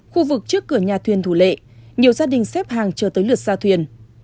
khu vực trước cửa nhà thuyền thủ lệ nhiều gia đình xếp hàng chờ tới lượt xa thuyền